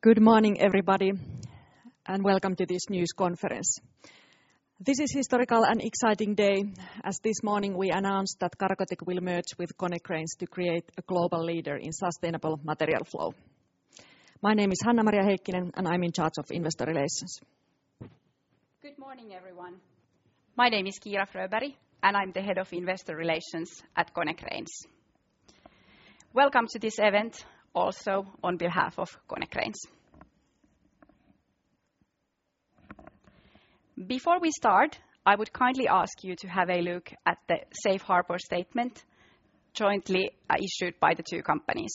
Good morning, everybody, and welcome to this news conference. This is historical and exciting day, as this morning we announced that Cargotec will merge with Konecranes to create a global leader in sustainable material flow. My name is Hanna-Maria Heikkinen, and I'm in charge of investor relations. Good morning, everyone. My name is Kiira Fröberg, and I'm the head of investor relations at Konecranes. Welcome to this event also on behalf of Konecranes. Before we start, I would kindly ask you to have a look at the safe harbor statement jointly issued by the two companies.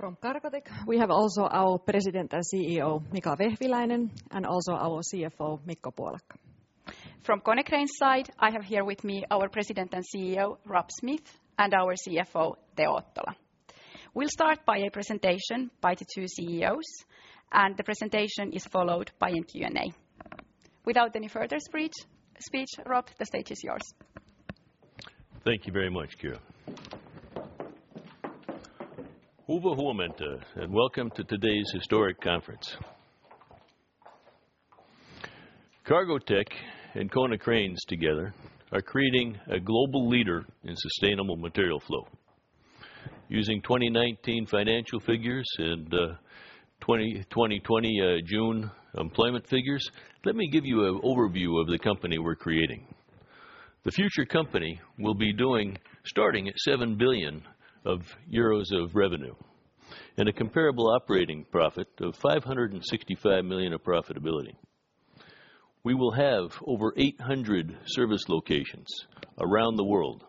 From Cargotec, we have also our President and CEO, Mika Vehviläinen, and also our CFO, Mikko Puolakka. From Konecranes' side, I have here with me our President and CEO, Rob Smith, and our CFO, Teo Ottola. We'll start by a presentation by the two CEOs, the presentation is followed by a Q&A. Without any further speech, Rob, the stage is yours. Thank you very much, Kiira. Huomenta, welcome to today's historic conference. Cargotec and Konecranes together are creating a global leader in sustainable material flow. Using 2019 financial figures and 2020 June employment figures, let me give you a overview of the company we're creating. The future company will be doing, starting at 7 billion euros of revenue and a comparable operating profit of 565 million of profitability. We will have over 800 service locations around the world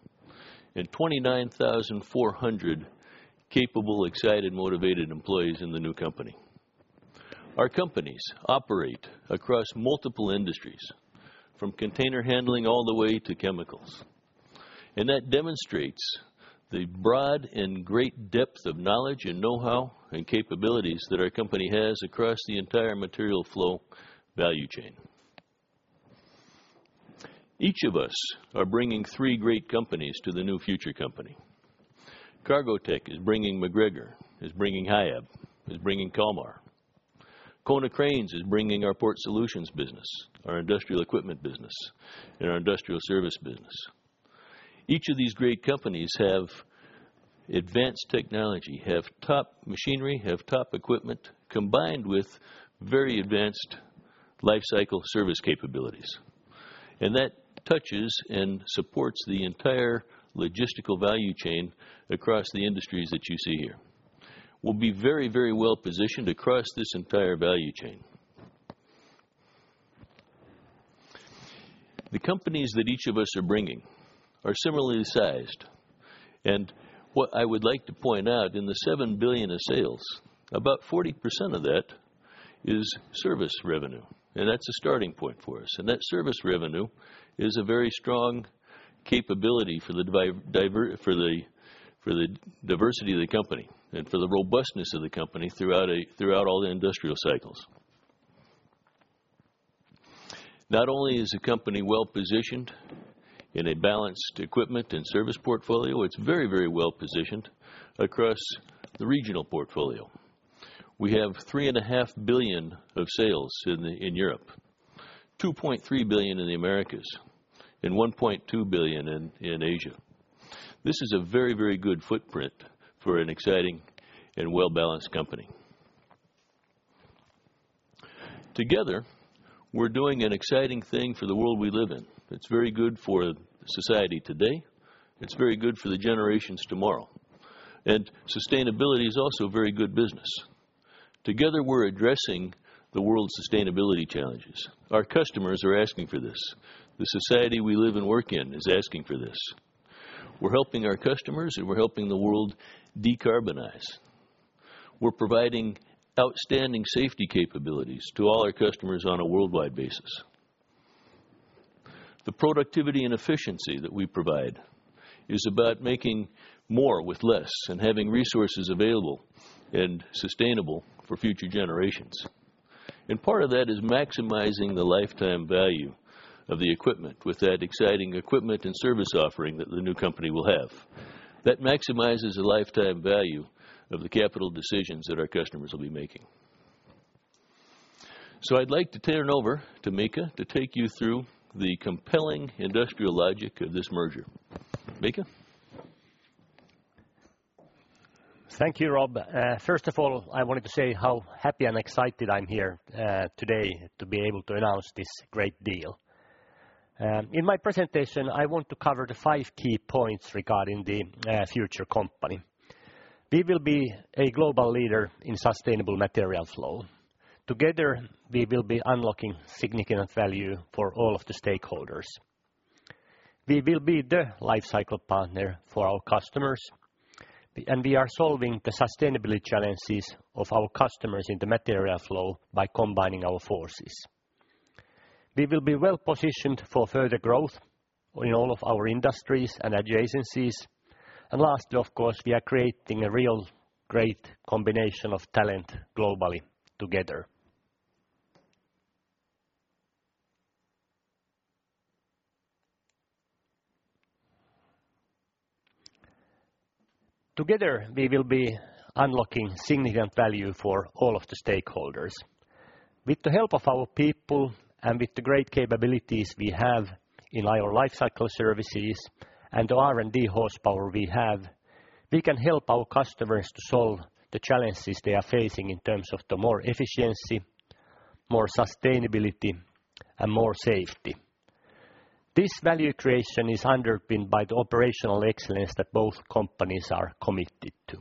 and 29,400 capable, excited, motivated employees in the new company. Our companies operate across multiple industries, from container handling all the way to chemicals. That demonstrates the broad and great depth of knowledge and know-how and capabilities that our company has across the entire material flow value chain. Each of us are bringing three great companies to the new future company. Cargotec is bringing MacGregor, is bringing Hiab, is bringing Kalmar. Konecranes is bringing our Port Solutions business, our Industrial Equipment business, and our Industrial Service business. Each of these great companies have advanced technology, have top machinery, have top equipment, combined with very advanced life cycle service capabilities. That touches and supports the entire logistical value chain across the industries that you see here. We'll be very, very well-positioned across this entire value chain. The companies that each of us are bringing are similarly sized. What I would like to point out, in the 7 billion of sales, about 40% of that is service revenue. That's a starting point for us. That service revenue is a very strong capability for the diversity of the company and for the robustness of the company throughout all the industrial cycles. Not only is the company well-positioned in a balanced equipment and service portfolio, it's very, very well-positioned across the regional portfolio. We have 3.5 billion of sales in Europe, 2.3 billion in the Americas, and 1.2 billion in Asia. This is a very, very good footprint for an exciting and well-balanced company. Together, we're doing an exciting thing for the world we live in. It's very good for society today. It's very good for the generations tomorrow. Sustainability is also very good business. Together, we're addressing the world's sustainability challenges. Our customers are asking for this. The society we live and work in is asking for this. We're helping our customers, and we're helping the world decarbonize. We're providing outstanding safety capabilities to all our customers on a worldwide basis. The productivity and efficiency that we provide is about making more with less and having resources available and sustainable for future generations. Part of that is maximizing the lifetime value of the equipment with that exciting equipment and service offering that the new company will have. That maximizes the lifetime value of the capital decisions that our customers will be making. I'd like to turn over to Mika to take you through the compelling industrial logic of this merger. Mika? Thank you, Rob. First of all, I wanted to say how happy and excited I'm here today to be able to announce this great deal. In my presentation, I want to cover the five key points regarding the future company. We will be a global leader in sustainable materials flow. Together, we will be unlocking significant value for all of the stakeholders. We will be the life cycle partner for our customers, and we are solving the sustainability challenges of our customers in the material flow by combining our forces. We will be well-positioned for further growth in all of our industries and adjacencies. Lastly, of course, we are creating a real great combination of talent globally together. Together, we will be unlocking significant value for all of the stakeholders. With the help of our people and with the great capabilities we have in our lifecycle services and the R&D horsepower we have, we can help our customers to solve the challenges they are facing in terms of the more efficiency, more sustainability, and more safety. This value creation is underpinned by the operational excellence that both companies are committed to.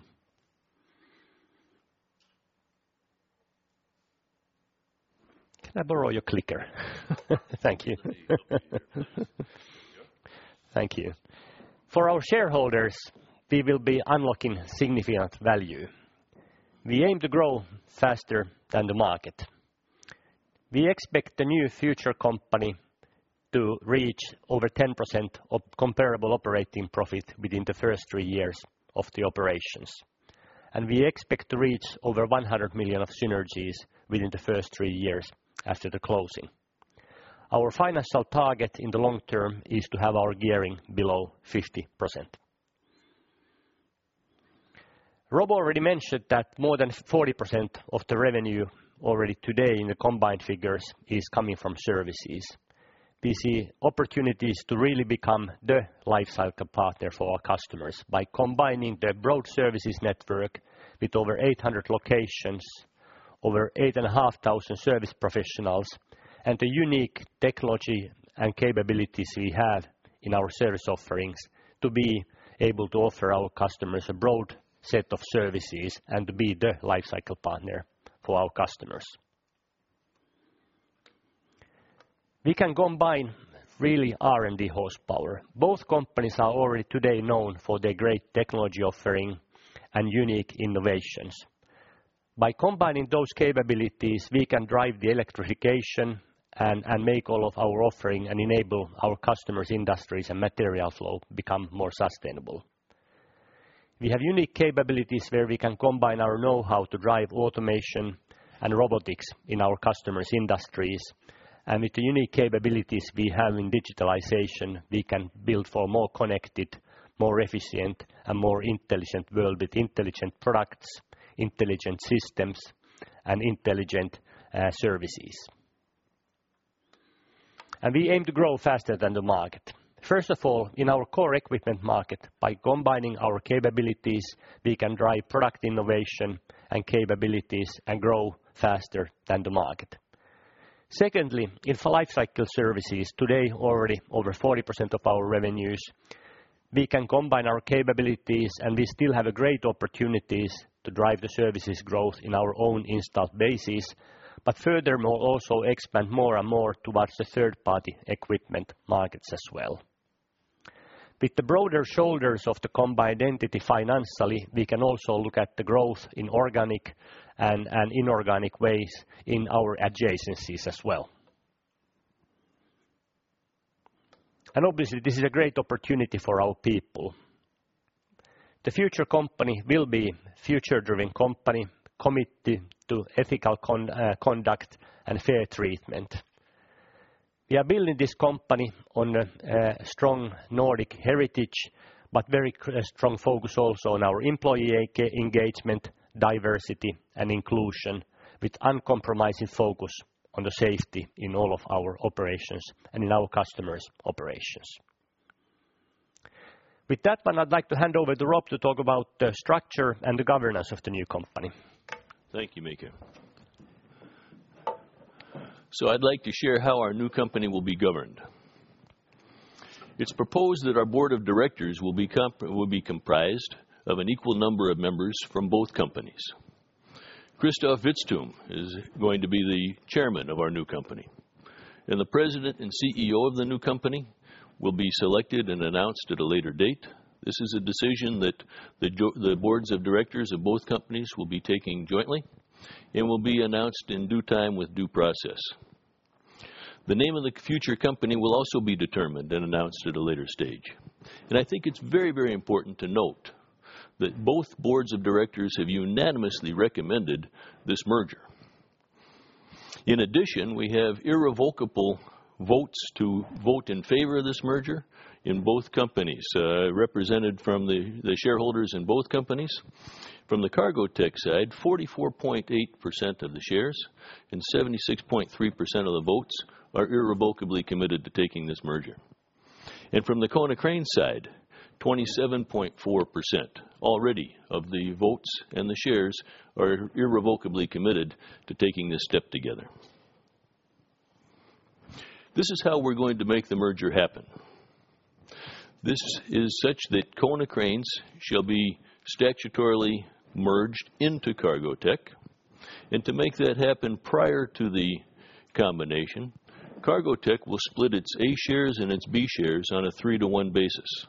Can I borrow your clicker? Thank you. There you go. Thank you. For our shareholders, we will be unlocking significant value. We aim to grow faster than the market. We expect the new future company to reach over 10% of comparable operating profit within the first three years of the operations, and we expect to reach over 100 million of synergies within the first three years after the closing. Our financial target in the long term is to have our gearing below 50%. Rob already mentioned that more than 40% of the revenue already today in the combined figures is coming from services. We see opportunities to really become the lifecycle partner for our customers by combining the broad services network with over 800 locations, over 8,500 service professionals, and the unique technology and capabilities we have in our service offerings to be able to offer our customers a broad set of services and to be the lifecycle partner for our customers. We can combine really R&D horsepower. Both companies are already today known for their great technology offering and unique innovations. By combining those capabilities, we can drive the electrification and make all of our offering and enable our customers' industries and material flow become more sustainable. We have unique capabilities where we can combine our know-how to drive automation and robotics in our customers' industries. With the unique capabilities we have in digitalization, we can build for more connected, more efficient, and more intelligent world with intelligent products, intelligent systems, and intelligent services. We aim to grow faster than the market. First of all, in our core equipment market, by combining our capabilities, we can drive product innovation and capabilities and grow faster than the market. Secondly, in lifecycle services, today already over 40% of our revenues, we can combine our capabilities, and we still have great opportunities to drive the services growth in our own installed bases, but furthermore also expand more and more towards the third-party equipment markets as well. With the broader shoulders of the combined entity financially, we can also look at the growth in organic and inorganic ways in our adjacencies as well. Obviously this is a great opportunity for our people. The future company will be future-driven company committed to ethical conduct and fair treatment. We are building this company on a strong Nordic heritage, but very strong focus also on our employee engagement, diversity, and inclusion with uncompromising focus on the safety in all of our operations and in our customers' operations. With that one, I'd like to hand over to Rob to talk about the structure and the governance of the new company. Thank you, Mika. I'd like to share how our new company will be governed. It's proposed that our board of directors will be comprised of an equal number of members from both companies. Christoph Vitzthum is going to be the Chairman of our new company, and the President and CEO of the new company will be selected and announced at a later date. This is a decision that the boards of directors of both companies will be taking jointly and will be announced in due time with due process. The name of the future company will also be determined and announced at a later stage. I think it's very, very important to note that both boards of directors have unanimously recommended this merger. In addition, we have irrevocable votes to vote in favor of this merger in both companies, represented from the shareholders in both companies. From the Cargotec side, 44.8% of the shares and 76.3% of the votes are irrevocably committed to taking this merger. From the Konecranes side, 27.4% already of the votes and the shares are irrevocably committed to taking this step together. This is how we're going to make the merger happen. This is such that Konecranes shall be statutorily merged into Cargotec. To make that happen prior to the combination, Cargotec will split its A shares and its B shares on a 3-to-1 basis.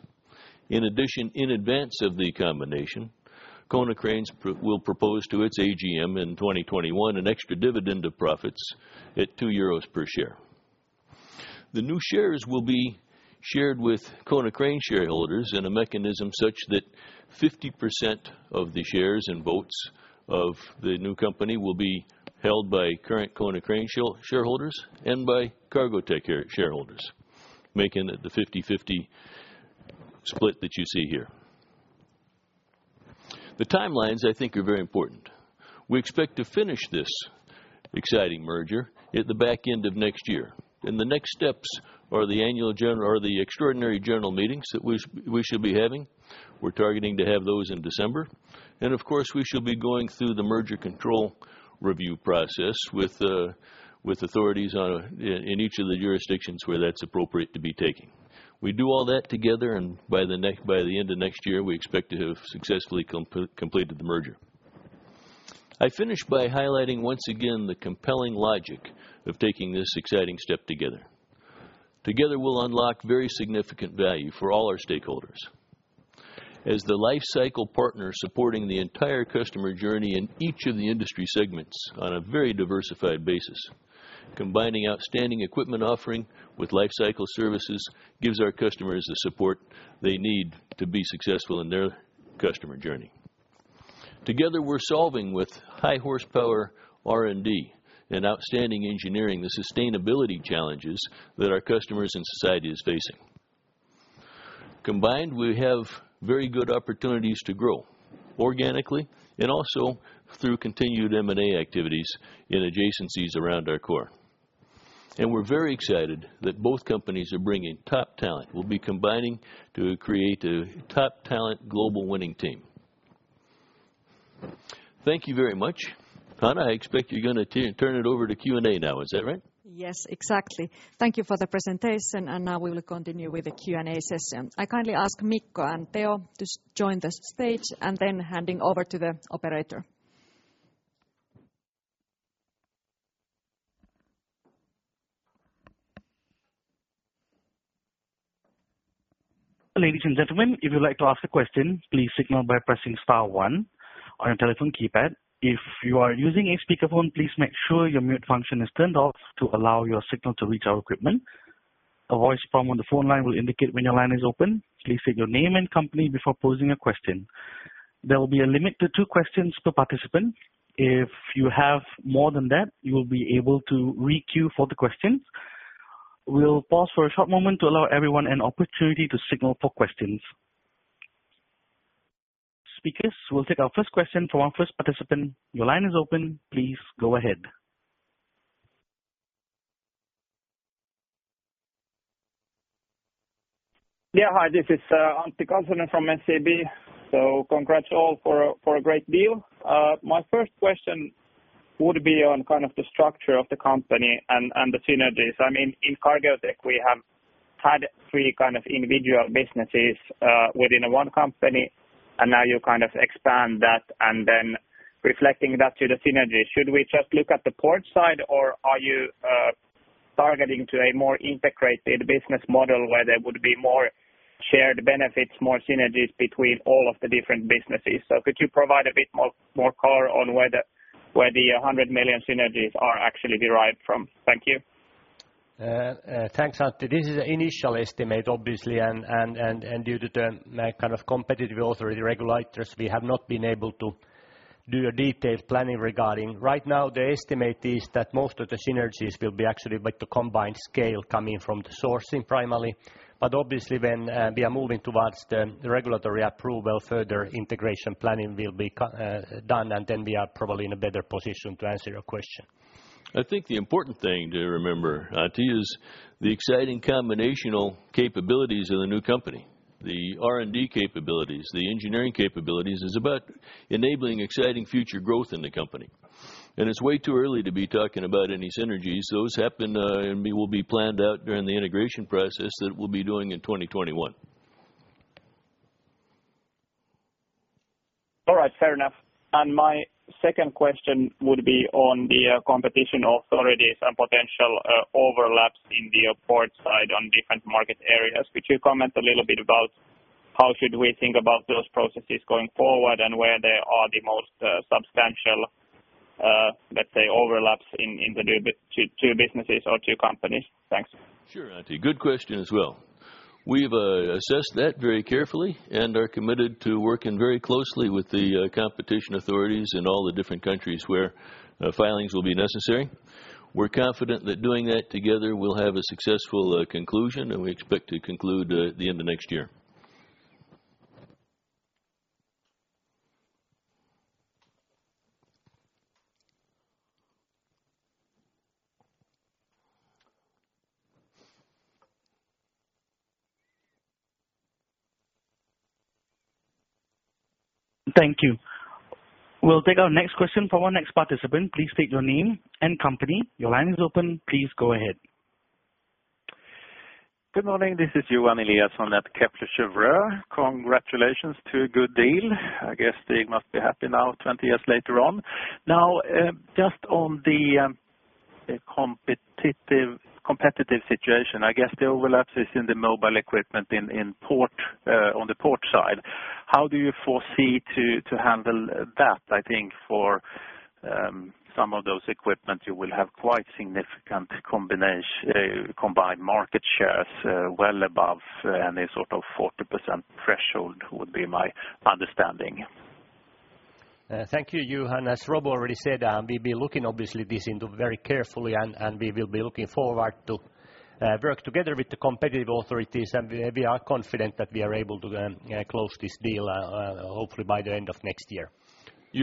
In addition, in advance of the combination, Konecranes will propose to its AGM in 2021 an extra dividend of profits at 2 euros per share. The new shares will be shared with Konecranes shareholders in a mechanism such that 50% of the shares and votes of the new company will be held by current Konecranes shareholders and by Cargotec shareholders, making it the 50/50 split that you see here. The timelines, I think, are very important. We expect to finish this exciting merger at the back end of next year. The next steps are the extraordinary general meetings that we should be having. We're targeting to have those in December. Of course, we shall be going through the merger control review process with authorities in each of the jurisdictions where that's appropriate to be taking. We do all that together, by the end of next year, we expect to have successfully completed the merger. I finish by highlighting once again the compelling logic of taking this exciting step together. Together, we'll unlock very significant value for all our stakeholders. As the lifecycle partner supporting the entire customer journey in each of the industry segments on a very diversified basis, combining outstanding equipment offering with lifecycle services gives our customers the support they need to be successful in their customer journey. Together, we're solving with high horsepower R&D and outstanding engineering, the sustainability challenges that our customers and society is facing. Combined, we have very good opportunities to grow organically and also through continued M&A activities in adjacencies around our core. We're very excited that both companies are bringing top talent. We'll be combining to create a top talent global winning team. Thank you very much. Hanna, I expect you're gonna turn it over to Q&A now, is that right? Yes, exactly. Thank you for the presentation. now we will continue with the Q&A session. I kindly ask Mikko and Teo to join the stage, and then handing over to the operator. Ladies and gentlemen, if you'd like to ask a question, please signal by pressing star one on your telephone keypad. If you are using a speakerphone, please make sure your mute function is turned off to allow your signal to reach our equipment. A voice prompt on the phone line will indicate when your line is open. Please state your name and company before posing a question. There will be a limit to two questions per participant. If you have more than that, you will be able to re-queue for the questions. We'll pause for a short moment to allow everyone an opportunity to signal for questions. Speakers, we'll take our first question from our first participant. Your line is open. Please go ahead. Yeah, hi. This is Antti Kansanen from SEB. Congrats all for a, for a great deal. My first question would be on kind of the structure of the company and the synergies. I mean, in Cargotec, we have had three kind of individual businesses within one company, and now you kind of expand that and then reflecting that to the synergies. Should we just look at the port side, or are you targeting to a more integrated business model where there would be more shared benefits, more synergies between all of the different businesses? Could you provide a bit more, more color on where the, where the 100 million synergies are actually derived from? Thank you. Thanks, Antti. This is initial estimate, obviously, and due to the kind of competitive authority regulators, we have not been able to do a detailed planning regarding. Right now, the estimate is that most of the synergies will be actually with the combined scale coming from the sourcing primarily. Obviously, when we are moving towards the regulatory approval, further integration planning will be done, and then we are probably in a better position to answer your question. I think the important thing to remember, Antti, is the exciting combinational capabilities of the new company. The R&D capabilities, the engineering capabilities, is about enabling exciting future growth in the company. It's way too early to be talking about any synergies. Those happen, and we will be planned out during the integration process that we'll be doing in 2021. All right. Fair enough. My second question would be on the competition authorities and potential overlaps in the port side on different market areas. Could you comment a little bit about how should we think about those processes going forward and where they are the most substantial, let's say, overlaps in the two businesses or two companies? Thanks. Sure, Antti. Good question as well. We've assessed that very carefully and are committed to working very closely with the competition authorities in all the different countries where filings will be necessary. We're confident that doing that together will have a successful conclusion, and we expect to conclude at the end of next year. Thank you. We'll take our next question from our next participant. Please state your name and company. Your line is open. Please go ahead. Good morning. This is Johan Eliason from that Kepler Cheuvreux. Congratulations to a good deal. I guess they must be happy now, 20 years later on. Now, just on the Competitive situation. I guess the overlaps is in the mobile equipment in port, on the port side. How do you foresee to handle that? I think for some of those equipment, you will have quite significant combined market shares, well above any sort of 40% threshold, would be my understanding. Thank you, Johan. As Rob already said, we've been looking obviously this into very carefully and we will be looking forward to work together with the competitive authorities and we are confident that we are able to then close this deal hopefully by the end of next year.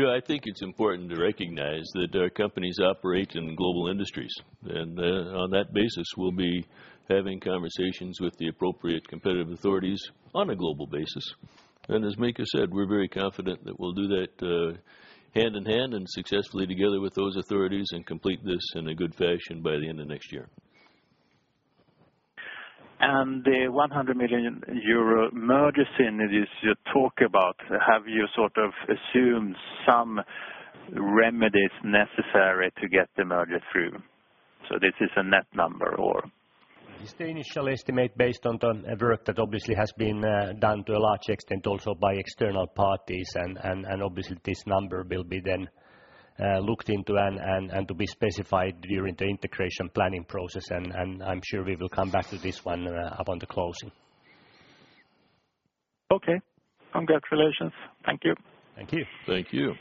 I think it's important to recognize that our companies operate in global industries. On that basis we'll be having conversations with the appropriate competitive authorities on a global basis. As Mika said, we're very confident that we'll do that hand-in-hand and successfully together with those authorities and complete this in a good fashion by the end of next year. The 100 million euro merger synergies you talk about, have you sort of assumed some remedies necessary to get the merger through? This is a net number or? It's the initial estimate based on the work that obviously has been done to a large extent also by external parties and obviously this number will be then looked into and to be specified during the integration planning process and I'm sure we will come back to this one upon the closing. Okay. Congratulations. Thank you. Thank you. Thank you.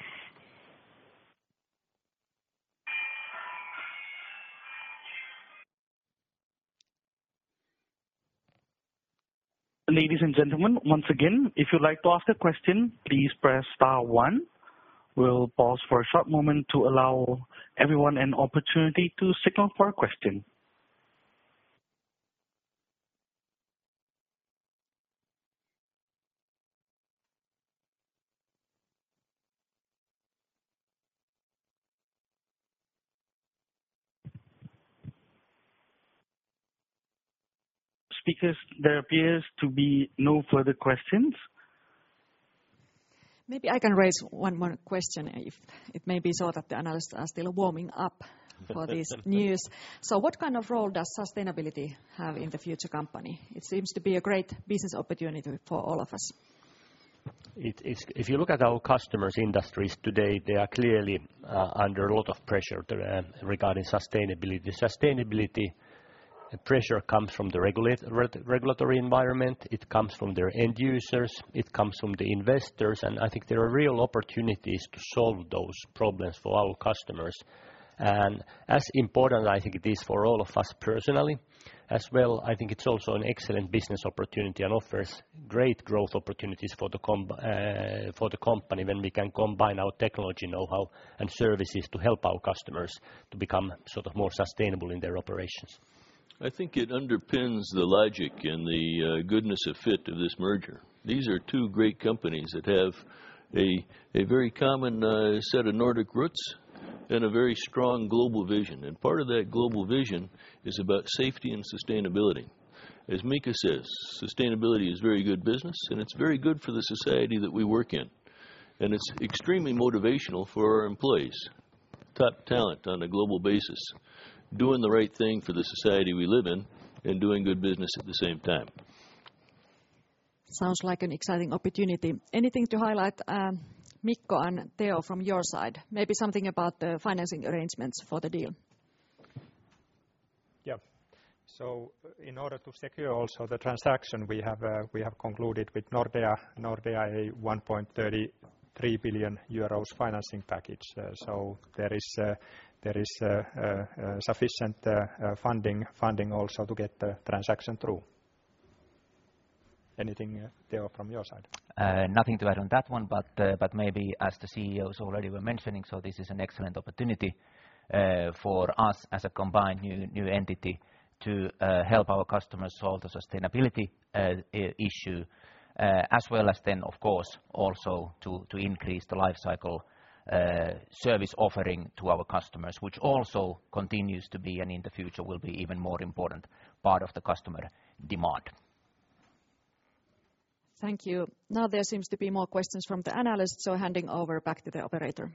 Ladies and gentlemen, once again, if you'd like to ask a question, please press star one. We'll pause for a short moment to allow everyone an opportunity to signal for a question. Speakers, there appears to be no further questions. Maybe I can raise one more question if it may be so that the analysts are still warming up for this news. What kind of role does sustainability have in the future company? It seems to be a great business opportunity for all of us. It is, if you look at our customers' industries today, they are clearly under a lot of pressure regarding sustainability. Sustainability, the pressure comes from the regulatory environment, it comes from their end users, it comes from the investors, and I think there are real opportunities to solve those problems for our customers. As important I think it is for all of us personally, as well, I think it's also an excellent business opportunity and offers great growth opportunities for the company when we can combine our technology know-how and services to help our customers to become sort of more sustainable in their operations. I think it underpins the logic and the goodness of fit of this merger. These are two great companies that have a very common set of Nordic roots and a very strong global vision. Part of that global vision is about safety and sustainability. As Mika says, sustainability is very good business, and it's very good for the society that we work in. It's extremely motivational for our employees, top talent on a global basis, doing the right thing for the society we live in and doing good business at the same time. Sounds like an exciting opportunity. Anything to highlight, Mikko and Teo from your side? Maybe something about the financing arrangements for the deal. Yeah. In order to secure also the transaction we have concluded with Nordea a 1.33 billion euros financing package. There is sufficient funding also to get the transaction through. Anything, Teo, from your side? Nothing to add on that one, but maybe as the CEOs already were mentioning. This is an excellent opportunity for us as a combined new entity to help our customers solve the sustainability issue, as well as then, of course, also to increase the life cycle service offering to our customers, which also continues to be and in the future will be even more important part of the customer demand. Thank you. Now there seems to be more questions from the analysts. Handing over back to the operator.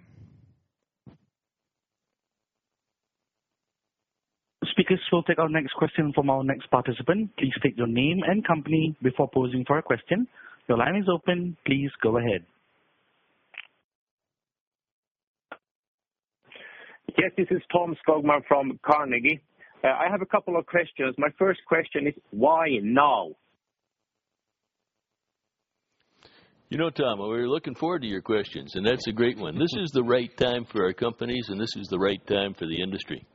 Speakers, we'll take our next question from our next participant. Please state your name and company before posing for a question. Your line is open. Please go ahead. Yes, this is Tom Skogman from Carnegie. I have a couple of questions. My first question is why now? You know, Tom, we were looking forward to your questions. That's a great one. This is the right time for our companies. This is the right time for the industry.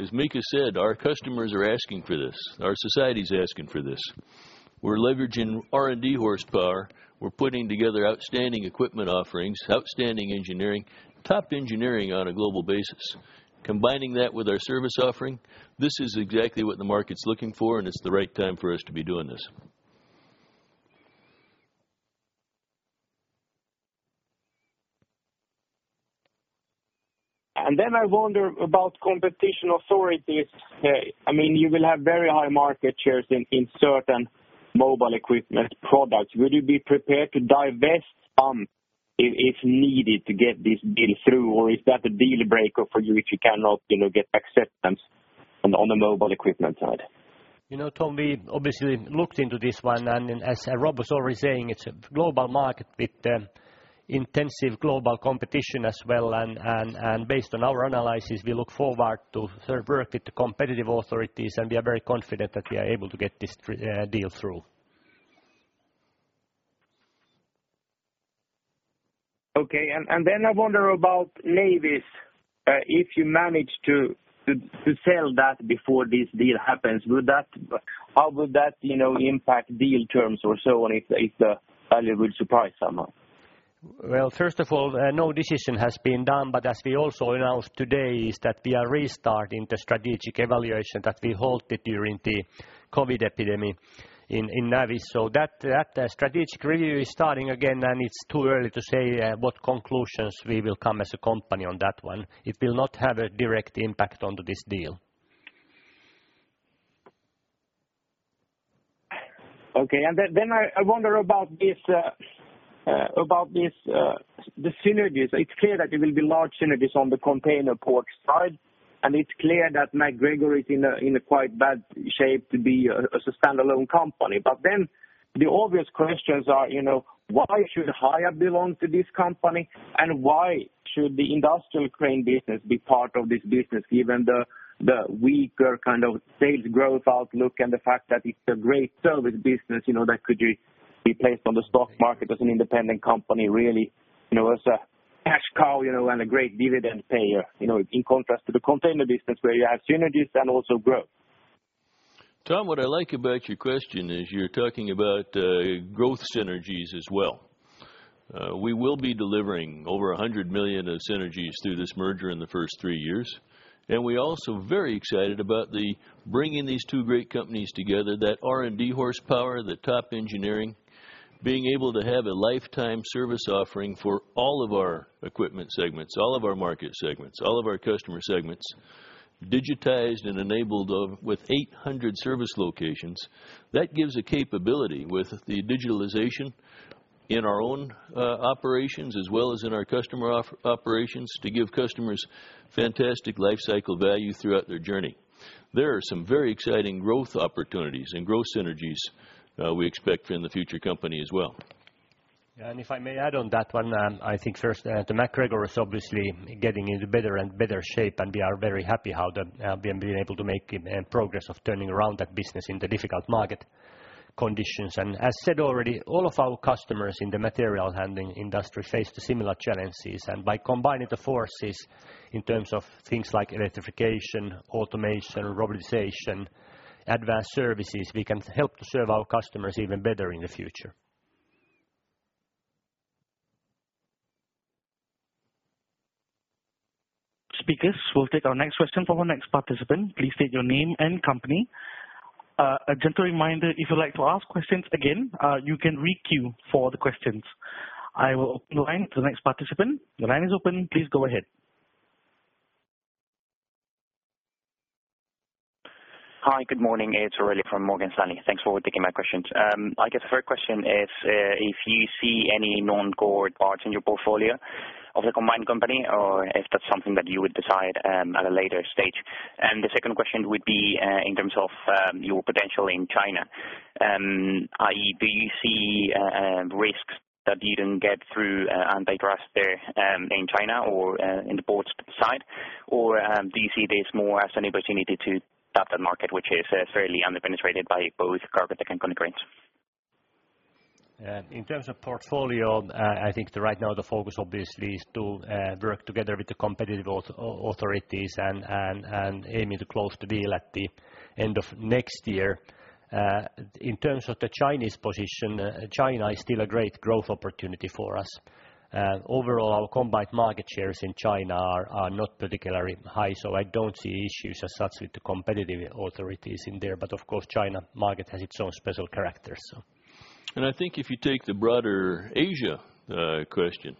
As Mika said, our customers are asking for this. Our society is asking for this. We're leveraging R&D horsepower. We're putting together outstanding equipment offerings, outstanding engineering, top engineering on a global basis. Combining that with our service offering, this is exactly what the market's looking for. It's the right time for us to be doing this. I wonder about competition authorities. I mean, you will have very high market shares in certain mobile equipment products. Would you be prepared to divest? If needed to get this deal through or is that a deal breaker for you if you cannot, you know, get acceptance on the mobile equipment side? You know, Tom, we obviously looked into this one and then as Rob was already saying, it's a global market with intensive global competition as well. Based on our analysis, we look forward to work with the competitive authorities, and we are very confident that we are able to get this deal through. Okay. Then I wonder about Navis. If you manage to sell that before this deal happens, how would that, you know, impact deal terms or so on if the value will surprise someone? Well, first of all, no decision has been done, but as we also announced today is that we are restarting the strategic evaluation that we halted during the COVID epidemic in Navis. That strategic review is starting again, it's too early to say what conclusions we will come as a company on that one. It will not have a direct impact onto this deal. Okay. Then I wonder about this, the synergies. It's clear that there will be large synergies on the container port side, and it's clear that MacGregor is in a quite bad shape to be as a standalone company. But then the obvious questions are, you know, why should Hiab belong to this company? Why should the industrial crane business be part of this business, given the weaker kind of sales growth outlook and the fact that it's a great service business, you know, that could be placed on the stock market as an independent company, really, you know, as a cash cow, you know, and a great dividend payer, you know, in contrast to the container business where you have synergies and also growth. Tom, what I like about your question is you're talking about growth synergies as well. We will be delivering over 100 million of synergies through this merger in the first 3 years. We're also very excited about bringing these two great companies together, that R&D horsepower, the top engineering, being able to have a lifetime service offering for all of our equipment segments, all of our market segments, all of our customer segments, digitized and enabled with 800 service locations. That gives a capability with the digitalization in our own operations as well as in our customer operations to give customers fantastic life cycle value throughout their journey. There are some very exciting growth opportunities and growth synergies we expect in the future company as well. Yeah. If I may add on that one, I think first, the MacGregor is obviously getting into better and better shape, and we are very happy how we have been able to make progress of turning around that business in the difficult market conditions. As said already, all of our customers in the material handling industry face the similar challenges. By combining the forces in terms of things like electrification, automation, robotization, advanced services, we can help to serve our customers even better in the future. Speakers, we'll take our next question from our next participant. Please state your name and company. A gentle reminder, if you'd like to ask questions again, you can re-queue for the questions. I will open the line to the next participant. The line is open. Please go ahead. Hi, good morning. It's Aurelio from Morgan Stanley. Thanks for taking my questions. I guess the first question is if you see any non-core parts in your portfolio of the combined company or if that's something that you would decide at a later stage. The second question would be in terms of your potential in China i.e., Do you see risks that you didn't get through antitrust there in China or in the ports side? Do you see this more as an opportunity to tap that market, which is fairly under-penetrated by both Cargotec and Konecranes? In terms of portfolio, I think right now the focus obviously is to work together with the competitive authorities and aiming to close the deal at the end of next year. In terms of the Chinese position, China is still a great growth opportunity for us. Overall, our combined market shares in China are not particularly high, so I don't see issues as such with the competitive authorities in there. Of course, China market has its own special character, so. I think if you take the broader Asia question,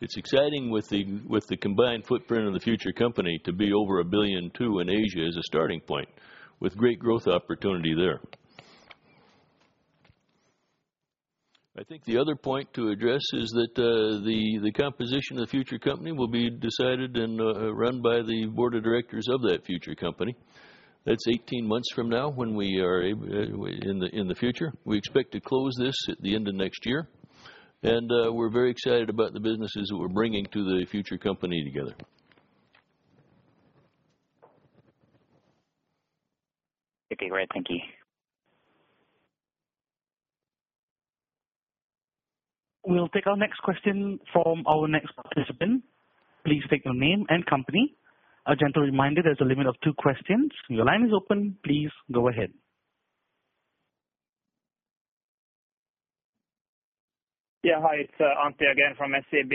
it's exciting with the combined footprint of the future company to be over 1.2 billion in Asia as a starting point, with great growth opportunity there. I think the other point to address is that the composition of the future company will be decided and run by the board of directors of that future company. That's 18 months from now when we are in the future. We expect to close this at the end of next year. We're very excited about the businesses that we're bringing to the future company together. Okay, great. Thank you. We'll take our next question from our next participant. Please state your name and company. A gentle reminder, there's a limit of two questions. Your line is open. Please go ahead. Yeah. Hi. It's, Antti again from SEB.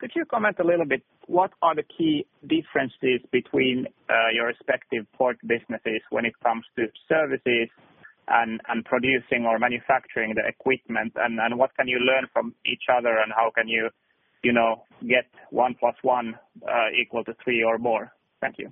Could you comment a little bit, what are the key differences between your respective port businesses when it comes to services and producing or manufacturing the equipment? What can you learn from each other? How can you know, get one plus one, equal to three or more? Thank you.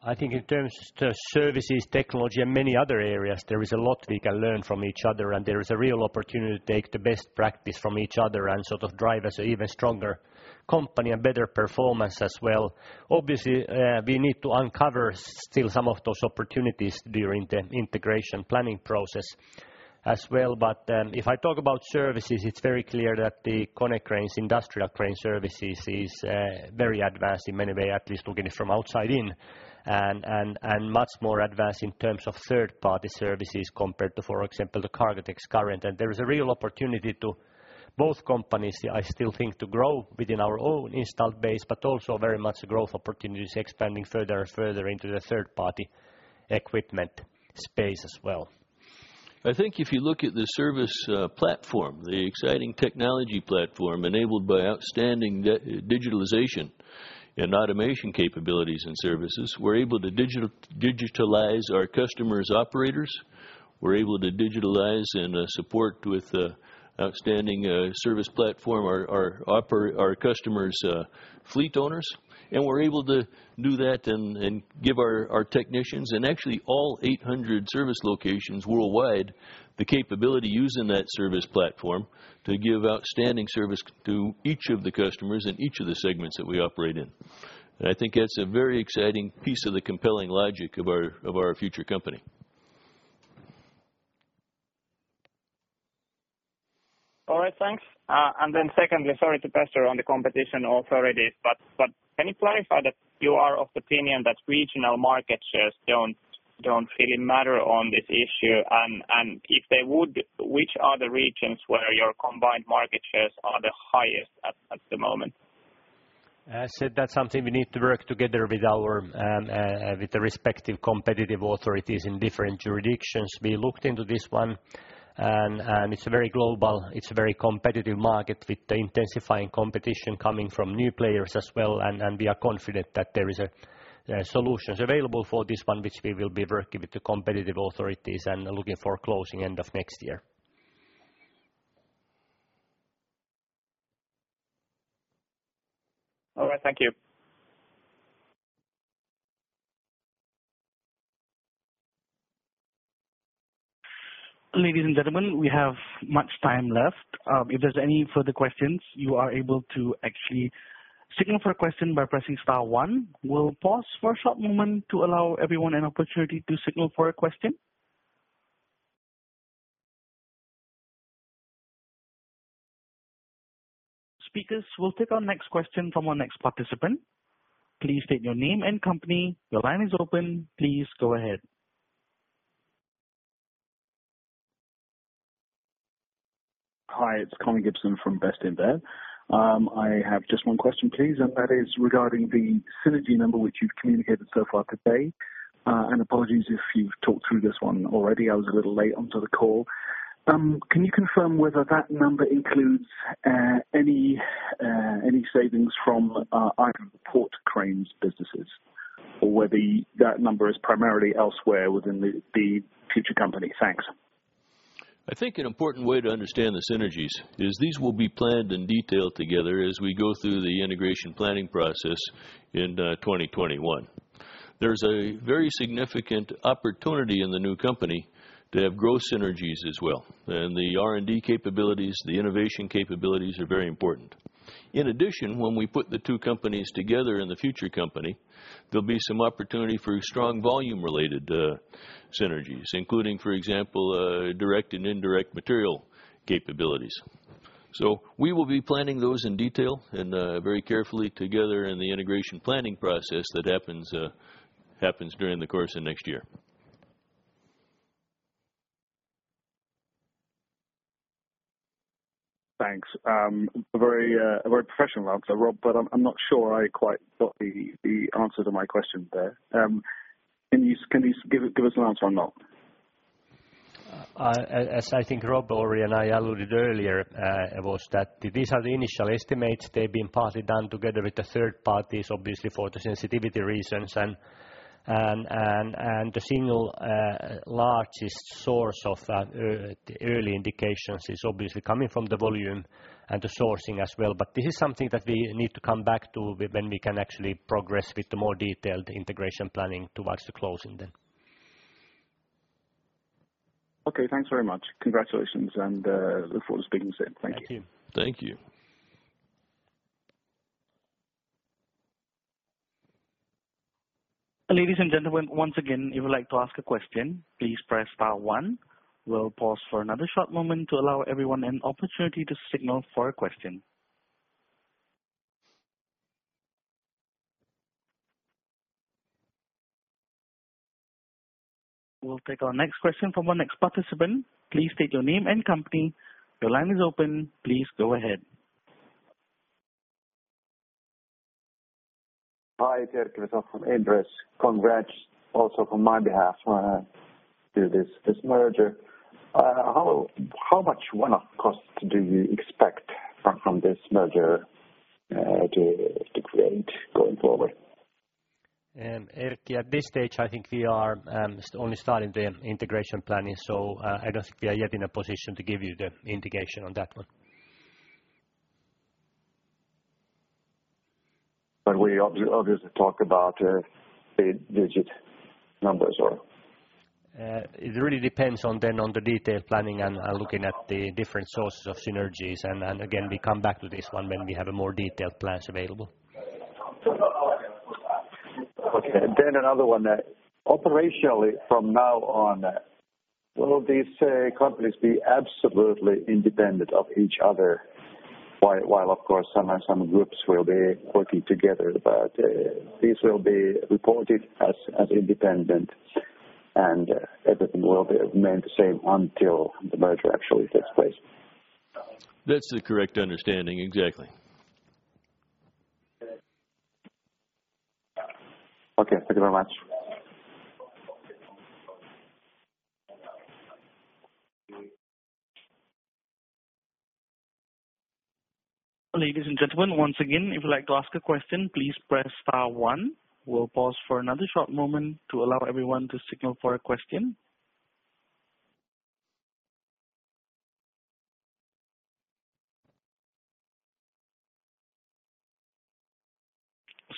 I think in terms of the services, technology and many other areas, there is a lot we can learn from each other and there is a real opportunity to take the best practice from each other and sort of drive us even stronger company and better performance as well. Obviously, we need to uncover still some of those opportunities during the integration planning process as well. If I talk about services, it's very clear that the Konecranes Industrial Crane Services is very advanced in many way, at least looking it from outside in and much more advanced in terms of third-party services compared to, for example, the Cargotec's current. There is a real opportunity to both companies, I still think, to grow within our own installed base, but also very much growth opportunities expanding further and further into the third party equipment space as well. I think if you look at the service platform, the exciting technology platform enabled by outstanding digitalization and automation capabilities and services, we're able to digitalize our customers' operators. We're able to digitalize and support with outstanding service platform our customers' fleet owners. We're able to do that and give our technicians and actually all 800 service locations worldwide the capability using that service platform to give outstanding service to each of the customers in each of the segments that we operate in. I think that's a very exciting piece of the compelling logic of our future company. All right. Thanks. Secondly, sorry to pester on the competition authorities, but can you clarify that you are of the opinion that regional market shares don't really matter on this issue? And if they would, which are the regions where your combined market shares are the highest at the moment? As I said, that's something we need to work together with our, with the respective competitive authorities in different jurisdictions. We looked into this one and it's a very global, it's a very competitive market with the intensifying competition coming from new players as well. We are confident that there is a, solutions available for this one, which we will be working with the competitive authorities and looking for closing end of next year. All right. Thank you. Ladies and gentlemen, we have much time left. If there's any further questions, you are able to actually signal for a question by pressing star one. We'll pause for a short moment to allow everyone an opportunity to signal for a question. Speakers, we'll take our next question from our next participant. Please state your name and company. Your line is open. Please go ahead. Hi, it's Colin Gibson from Bestinver. I have just one question, please, and that is regarding the synergy number, which you've communicated so far today. Apologies if you've talked through this one already. I was a little late onto the call. Can you confirm whether that number includes any savings from either the port cranes businesses or whether that number is primarily elsewhere within the future company? Thanks. I think an important way to understand the synergies is these will be planned in detail together as we go through the integration planning process in 2021. There's a very significant opportunity in the new company to have growth synergies as well. The R&D capabilities, the innovation capabilities are very important. In addition, when we put the two companies together in the future company, there'll be some opportunity for strong volume-related synergies, including, for example, direct and indirect material capabilities. We will be planning those in detail and very carefully together in the integration planning process that happens during the course of next year. Thanks. A very, a very professional answer, Rob, but I'm not sure I quite got the answer to my question there. Can you give us an answer on that? As I think Rob already and I alluded earlier, was that these are the initial estimates. They've been partly done together with the third parties, obviously for the sensitivity reasons and the single largest source of the early indications is obviously coming from the volume and the sourcing as well. This is something that we need to come back to when we can actually progress with the more detailed integration planning towards the closing then. Okay, thanks very much. Congratulations and look forward to speaking soon. Thank you. Thank you. Thank you. Ladies and gentlemen, once again, if you would like to ask a question, please press star one. We'll pause for another short moment to allow everyone an opportunity to signal for a question. We'll take our next question from our next participant. Please state your name and company. Your line is open. Please go ahead. Hi, Erkki Vesola from Inderes. Congrats also from my behalf, to this merger. How much one-off costs do you expect from this merger to create going forward? Erkki, at this stage, I think we are only starting the integration planning. I don't think we are yet in a position to give you the indication on that one. We obviously talk about, 8-digit numbers. It really depends on then on the detailed planning and looking at the different sources of synergies. Again, we come back to this one when we have a more detailed plans available. Okay. Another one. Operationally, from now on, will these, companies be absolutely independent of each other? While of course some groups will be working together, but these will be reported as independent and everything will be remained the same until the merger actually takes place. That's the correct understanding. Exactly. Okay. Thank you very much. Ladies and gentlemen, once again, if you'd like to ask a question, please press star one. We'll pause for another short moment to allow everyone to signal for a question.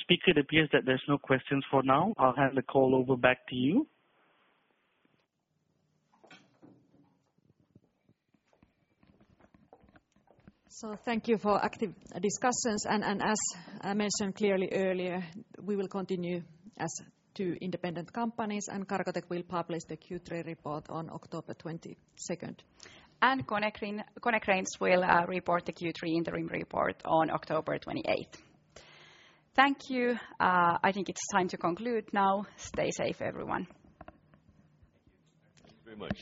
Speaker, it appears that there's no questions for now. I'll hand the call over back to you. Thank you for active discussions. As I mentioned clearly earlier, we will continue as two independent companies, and Cargotec will publish the Q3 report on October 22nd. Konecranes will report the Q3 interim report on October 28th. Thank you. I think it's time to conclude now. Stay safe, everyone. Thank you very much.